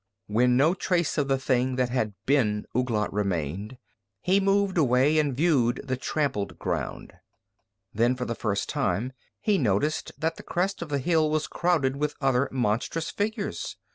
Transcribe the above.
When no trace of the thing that had been Ouglat remained, he moved away and viewed the trampled ground. Then, for the first time he noticed that the crest of the hill was crowded with other monstrous figures.